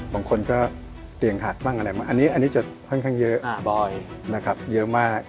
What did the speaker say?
บางคนก็เตียงหัดบ้างอันนี้จะค่อนข้างเยอะเยอะมาก